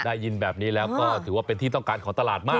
ถือว่าเป็นที่ต้องการของตลาดมาก